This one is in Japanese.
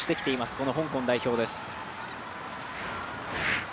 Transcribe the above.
この香港代表です。